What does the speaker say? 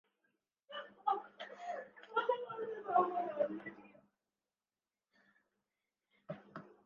جب ارے راہ کو پتہ چلا